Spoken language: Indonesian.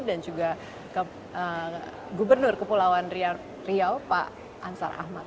dan juga gubernur kepulauan riau pak ansar ahmad